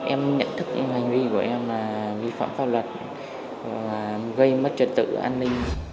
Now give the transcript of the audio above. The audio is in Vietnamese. em nhận thức những hành vi của em là vi phạm pháp luật gây mất trật tự an ninh